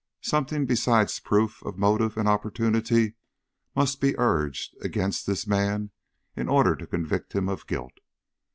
Something besides proof of motive and opportunity must be urged against this man in order to convict him of guilt.